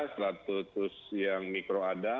status yang mikro ada